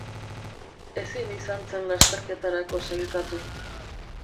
Ezin izan zen lasterketarako sailkatu.